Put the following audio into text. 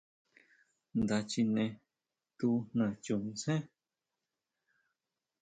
Nda chine tu nachuntsén.